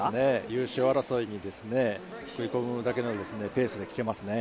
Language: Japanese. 優勝争いに食い込むだけのペースで来てますね。